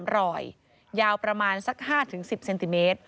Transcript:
รอยยาวประมาณสัก๕๑๐เซนติเมตร